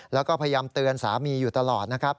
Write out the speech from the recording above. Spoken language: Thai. แล้วก็พยายามเตือนสามีอยู่ตลอดนะครับ